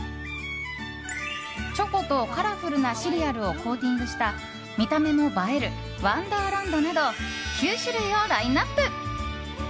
チョコとカラフルなシリアルをコーティングした見た目も映えるワンダーランドなど９種類をラインアップ。